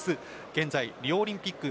現在、リオオリンピック